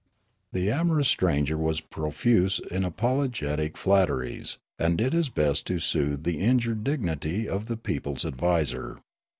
The amorous stranger was profuse in apologetic flat teries, and did his best to soothe the injured dignity of the people's adviser.